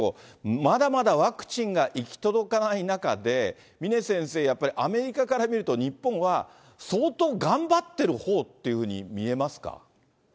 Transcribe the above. まだまだワクチンが行き届かない中で、峰先生、やっぱりアメリカから見ると、日本は、相当頑張ってるほうっていうふうに見えますか？